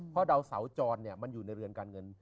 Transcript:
เพราะดาวเสาจรมันอยู่ในเรือนการเงิน